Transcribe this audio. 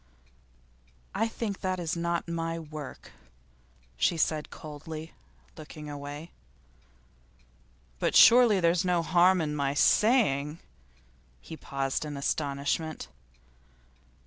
'I think that is not my work,' she said coldly, looking away. 'But surely there's no harm in my saying ' he paused in astonishment.